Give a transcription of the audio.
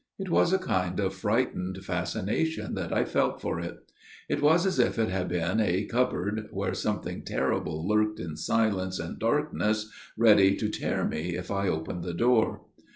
It was a kind of frightened fascination that I felt for it. It was as if it had been a cupboard where something terrible lurked in silence and darkness, ready to tear me if I opened the door.